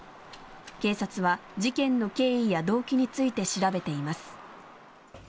警察は、事件の経緯や動機について調べています。